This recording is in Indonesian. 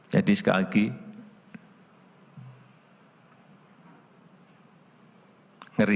jadi sekali lagi ngeri